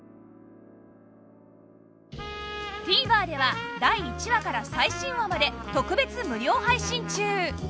ＴＶｅｒ では第１話から最新話まで特別無料配信中